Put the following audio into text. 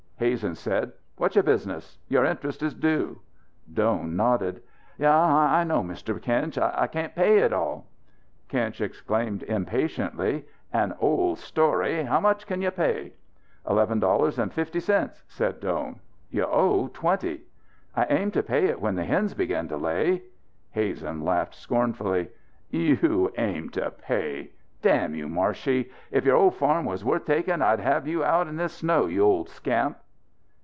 Hazen said: "What's your business? Your interest is due." Doan nodded. "Yeah. I know, Mr. Kinch. I cain't pay it all." Kinch exclaimed impatiently: "An old story! How much can you pay?" "Eleven dollars and fifty cents," said Doan. "You owe twenty." "I aim to pay it when the hens begin to lay." Hazen laughed scornfully. "You aim to pay! Damn you, Marshey, if your old farm was worth taking I'd have you out in this snow, you old scamp!"